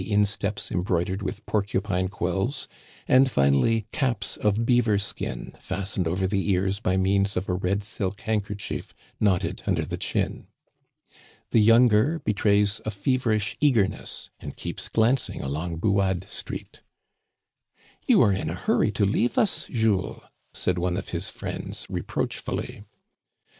15 insteps embroidered with porcupine quills, and, finally, caps of beaver skin fastened over the ears by means of a red silk handkerchief knotted under the chin. The younger betrays a feverish eagerness, and keeps glancing along Buade Street. " You are in a hurry to leave us, Jules," said one of his friends, reproachfully.